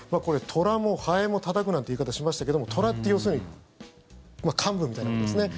虎もハエもたたくなんて言い方しましたけども虎って要するに幹部みたいなことですね。